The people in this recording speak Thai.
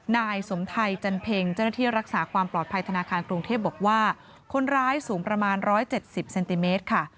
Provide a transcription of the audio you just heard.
นายสมไทยจันเพ็งเจ้าหน้าที่รักษาความปลอดภัยธนาคารกรุงเทพบอกว่าคนร้ายสูงประมาณ๑๗๐เซนติเมตรค่ะ